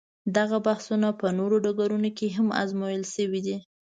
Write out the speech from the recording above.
دغه بحثونه په نورو ډګرونو کې هم ازمویل شوي دي.